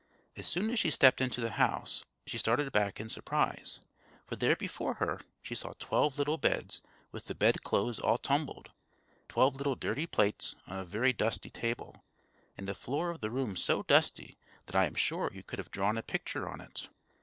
As soon as she stepped into the house, she started back in surprise; for there before her she saw twelve little beds with the bed clothes all tumbled, twelve little dirty plates on a very dusty table, and the floor of the room so dusty that I am sure you could have drawn a picture on it.